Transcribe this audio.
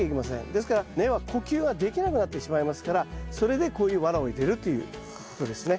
ですから根は呼吸ができなくなってしまいますからそれでこういうワラを入れるっていうことですね。